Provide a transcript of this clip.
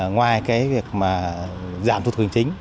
ngoài cái việc mà giảm thủ tục hành chính